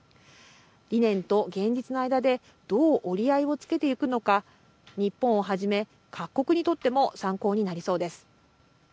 理念と現実の間でどう折り合いをつけていくのか日本をはじめ各国にとっても参考になりそうです。